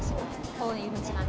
こういう道がね。